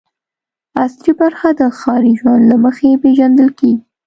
عصري برخه د ښاري ژوند له مخې پېژندل کېږي.